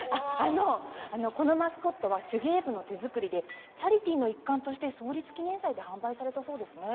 あのこのマスコットは手芸部の手作りでチャリティーの一貫として創立記念祭で販売されたそうですね。